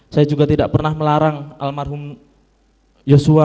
saya juga tidak pernah melarang almarhum yosua